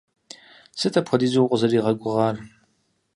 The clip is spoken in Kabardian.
Сыт апхуэдизу укъызэригъэгугъар?